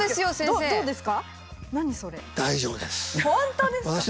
本当ですか？